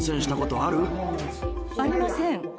ありません。